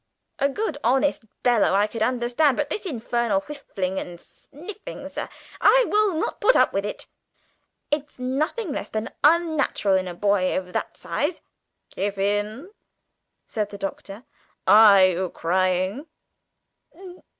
A good honest bellow I can understand, but this infernal whiffling and sniffing, sir, I will not put up with. It's nothing less than unnatural in a boy of that size." "Kiffin," said the Doctor, "are you crying?"